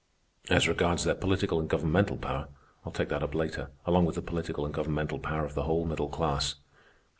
As regards their political and governmental power, I'll take that up later, along with the political and governmental power of the whole middle class.